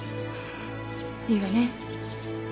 いいわね？